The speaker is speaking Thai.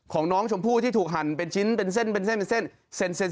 ของน้องชมพู่ที่ถูกหั่นเป็นชิ้นเป็นเส้นเป็นเส้นเป็นเส้นเซ็น